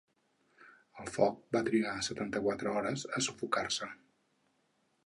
El foc va trigar setanta-quatre hores a sufocar-se.